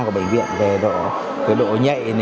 của bệnh viện về độ nhạy